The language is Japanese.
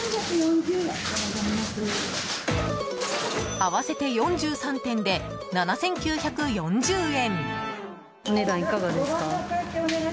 合わせて４３点で７９４０円。